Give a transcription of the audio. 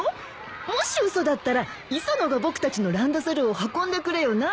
もし嘘だったら磯野が僕たちのランドセルを運んでくれよな。